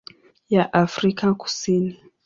ya Afrika Kusini.